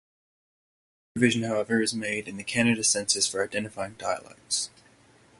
No provision however is made in the Canada Census for identifying dialects.